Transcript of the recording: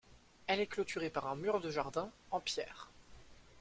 Elle est clôturé par un mur de jardin en pierres.